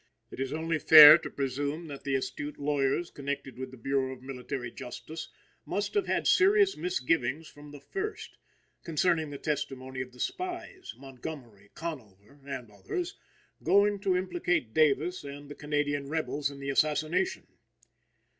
It is only fair to presume that the astute lawyers connected with the Bureau of Military Justice must have had serious misgivings from the first, concerning the testimony of the spies, Montgomery, Conover and others, going to implicate Davis and the Canadian Rebels in the assassination.